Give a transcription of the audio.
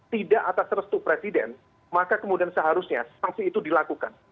tidak atas restu presiden maka kemudian seharusnya sanksi itu dilakukan